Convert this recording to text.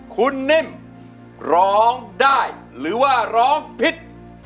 คุณนิ่มร้องได้หรือว่าร้องผิด